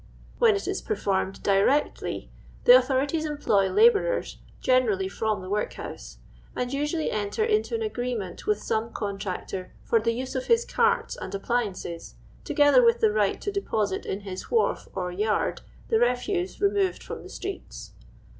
When it is performed directly, the authorities employ la bourers, genendly fioni the workhouse, and usually enter into an agreement with tmine contractor for the use of his carta and appliances, together with the ri^ht to deposit in his whaif or yard the refuse removed from the streets.